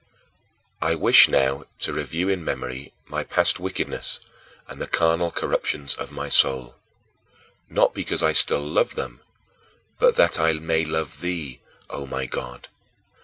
I wish now to review in memory my past wickedness and the carnal corruptions of my soul not because I still love them, but that I may love thee, O my God.